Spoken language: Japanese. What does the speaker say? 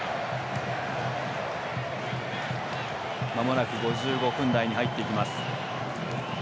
まもなく５５分台に入っていきます。